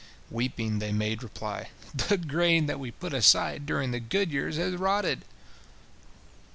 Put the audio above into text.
Weeping, they made reply: "The grain that we put aside during the good years hath rotted."